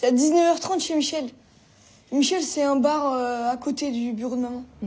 はい。